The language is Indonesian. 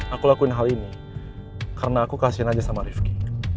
aku lakuin hal ini karena aku kasian aja sama rifki